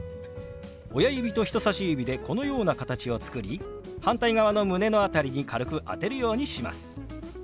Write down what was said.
親指と人さし指でこのような形を作り反対側の胸の辺りに軽く当てるようにします。